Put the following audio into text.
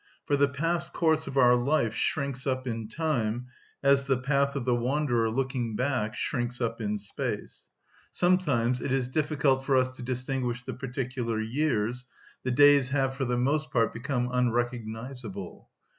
For the past course of our life shrinks up in time, as the path of the wanderer looking back shrinks up in space: sometimes it is difficult for us to distinguish the particular years; the days have for the most part become unrecognisable.